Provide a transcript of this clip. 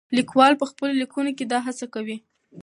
لیکوال په خپلو لیکنو کې دا هڅه کوي.